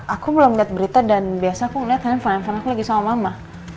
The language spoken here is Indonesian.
aku belum liat berita dan biasa aku liat tanya tanya di phone aku lagi sama mama